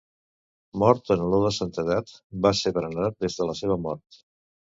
Mort en olor de santedat, va ser venerat des de la seva mort.